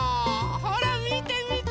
ほらみてみて。